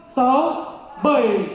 đúng một mươi giờ